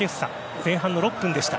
前半の６分でした。